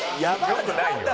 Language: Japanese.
良くないのよ。